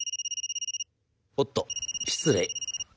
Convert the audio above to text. おっと失礼。